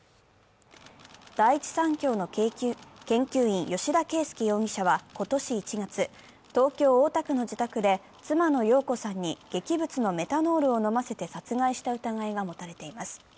第一三共の研究員・吉田佳右容疑者は今年１月、東京・大田区の自宅で妻の容子さんに劇物のメタノールを飲ませて殺害した疑いが持たれています。